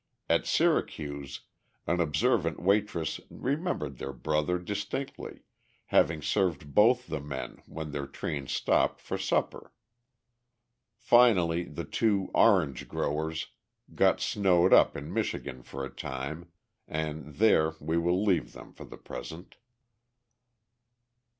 At Syracuse an observant waitress remembered their "brother" distinctly, having served both the men when their train stopped for supper. Finally, the two "Orange Growers" got snowed up in Michigan for a time, and there we will leave them for the present.